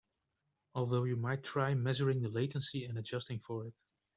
Although you might try measuring the latency and adjusting for it.